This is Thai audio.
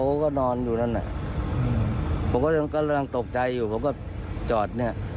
เขาก็นอนอยู่นั่นผมก็กำลังตกใจอยู่ผมก็จอด